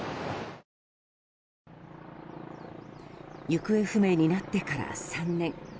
行方不明になってから３年。